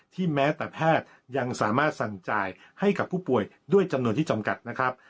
แม้แต่แพทย์ยังสามารถสั่งจ่ายให้กับผู้ป่วยด้วยจำนวนที่จำกัดนะครับ